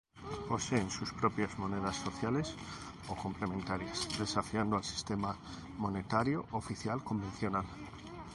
Poseen sus propias monedas sociales o complementarias desafiando al sistema monetario oficial convencional.